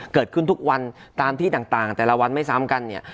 เกิดขึ้นทุกวันตามที่ต่างแต่ละวันไม่ซ้ำกันเนี่ย